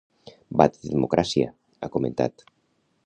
Va de democràcia, ha comentat.